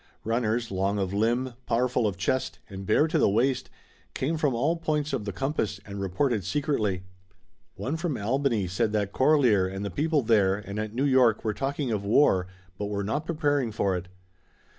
Runners, long of limb, powerful of chest, and bare to the waist, came from all points of the compass and reported secretly. One from Albany said that Corlear and the people there and at New York were talking of war, but were not preparing for it.